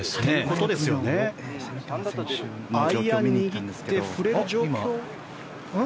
アイアンを握って振れる状況？